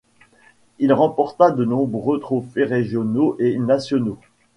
Il remporta de nombreux trophées régionaux et nationaux.